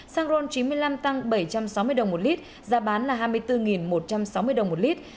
xăng ron chín mươi năm tăng bảy trăm sáu mươi đồng một lít giá bán là hai mươi bốn một trăm sáu mươi đồng một lít